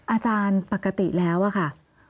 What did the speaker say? อาจารย์ปกติแล้วอะค่ะ